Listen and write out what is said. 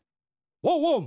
ワンワン！